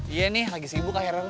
iya nih lagi sibuk akhir akhir nih